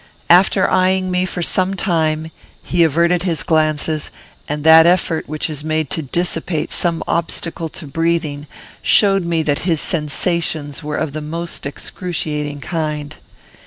After eyeing me for some time, he averted his glances, and that effort which is made to dissipate some obstacle to breathing showed me that his sensations were of the most excruciating kind.